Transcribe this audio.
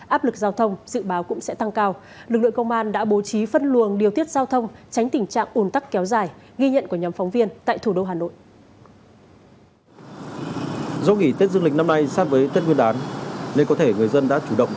áp lực giao thông dự báo cũng sẽ tăng cao